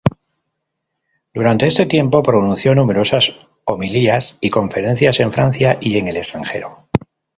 Durante este tiempo pronunció numerosas homilías y conferencias en Francia y en el extranjero.